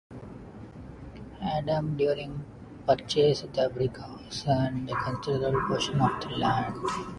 Adam Doering purchased the brick house and a considerable portion of the land.